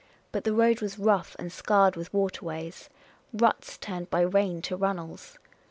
But the road was rough and scarred with waterways — ruts turned by rain to runnels.